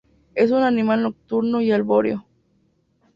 Es un animal nocturno y arbóreo.